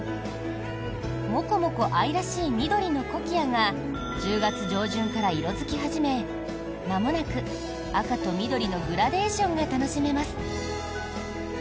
モコモコ愛らしい緑のコキアが１０月上旬から色付き始めまもなく赤と緑のグラデーションが楽しめます。